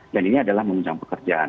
dan ini adalah menunjang pekerjaan